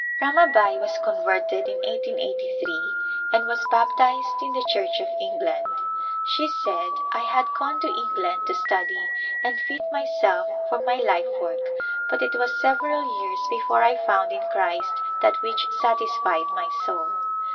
Ramabai was converted in 1883 and was baptized in the Church of England. She said, " I had gone to England to study and fit myself for my life work, but it was several years before I found in Christ that which satisfied my soul."